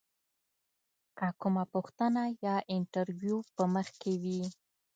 که کومه پوښتنه یا انتریو په مخ کې وي.